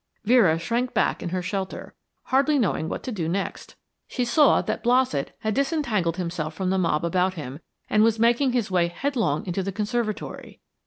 Vera shrank back in her shelter, hardly knowing what to do next. She saw that Blossett had disentangled himself from the mob about him and was making his way headlong into the conservatory.